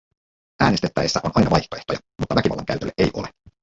Äänestettäessä on aina vaihtoehtoja, mutta väkivallan käytölle ei ole.